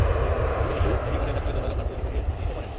দুটি শিশু একই ঘরে থাকলে দোতলা খাট তৈরি করিয়ে নিতে পারেন।